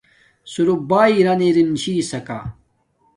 صرف بݳئݺ رَن دݵنِم چھݵسَکݳ.